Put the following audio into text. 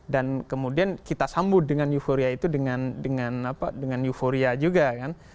dan kemudian kita sambut dengan euforia itu dengan euforia juga kan